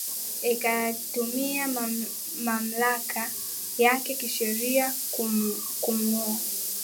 ikatumia mamlaka yake kisheria kumngoa